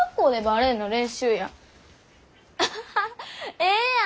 ええやん！